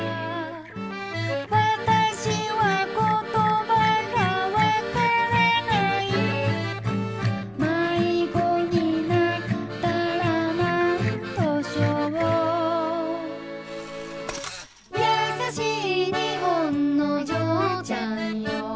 「『わたしは言葉がわからない』」「『迷子になったらなんとしょう』」「やさしい日本の嬢ちゃんよ」